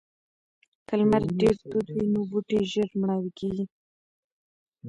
که لمر ډیر تود وي نو بوټي ژر مړاوي کیږي.